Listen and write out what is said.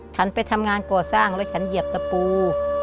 ฉันไปทำงานก่อสร้างแล้วฉันเหยียบตะปู